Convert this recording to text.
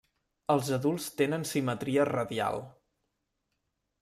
Els adults tenen simetria radial.